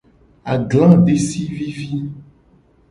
Agla desi vivi.